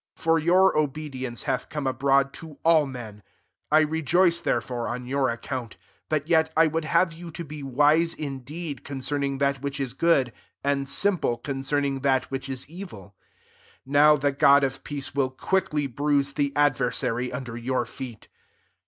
19 For your obe dience hath come abroad to all men, I rejoice therefore on your account : but yet I would have you to be wise \jindeedl concerning that which is good, and simple, concerning that which is evil. 20' Now the God of peace will quickly bruise the adversary under your feet.